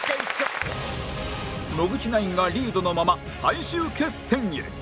野口ナインがリードのまま最終決戦へ